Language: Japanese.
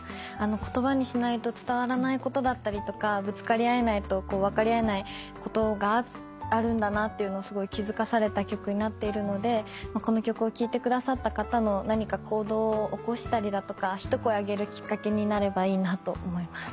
言葉にしないと伝わらないことだったりとかぶつかり合えないと分かり合えないことがあるってすごい気付かされた曲になっているのでこの曲を聴いてくださった方の何か行動を起こしたりだとか一声あげるきっかけになればいいなと思います。